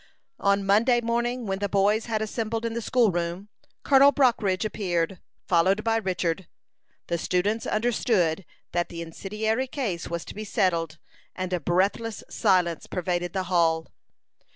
On Monday morning, when the boys had assembled in the school room, Colonel Brockridge appeared, followed by Richard. The students understood that the incendiary case was to be settled, and a breathless silence pervaded the hall.